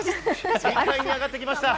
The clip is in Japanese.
２階に上がってきました。